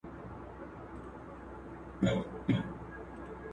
بهرنی سیاست د ملي ګټو د ترلاسه کولو لپاره پلان دی.